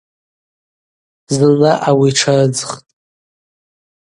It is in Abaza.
Зынла ауи тшарыдзхтӏ.